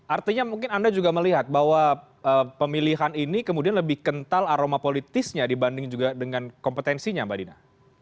artinya mungkin anda juga melihat bahwa pemilihan ini kemudian lebih kental aroma politisnya dibanding juga dengan kompetensinya mbak dina